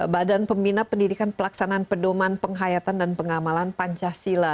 badan pembina pendidikan pelaksanaan pedoman penghayatan dan pengamalan pancasila